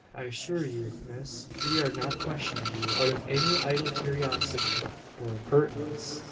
I assure you, miss, we are not questioning you out of any idle curiosity, or impertinence.